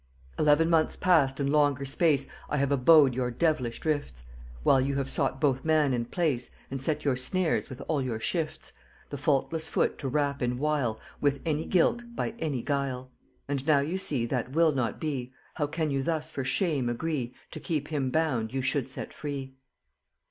Eleven months past and longer space I have abode your dev'lish drifts, While you have sought both man and place, And set your snares, with all your shifts, The faultless foot to wrap in wile With any guilt, by any guile: And now you see that will not be, How can you thus for shame agree To keep him bound you should set free?